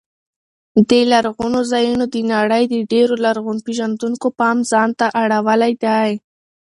دې لرغونو ځایونو د نړۍ د ډېرو لرغون پېژندونکو پام ځان ته اړولی دی.